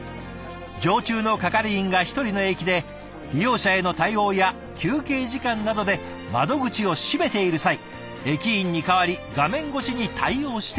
常駐の係員が１人の駅で利用者への対応や休憩時間などで窓口を閉めている際駅員に代わり画面越しに対応しています。